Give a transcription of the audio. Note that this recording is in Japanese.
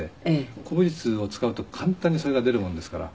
古武術を使うと簡単にそれが出るもんですから。